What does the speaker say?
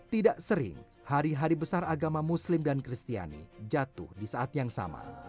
tidak sering hari hari besar agama muslim dan kristiani jatuh di saat yang sama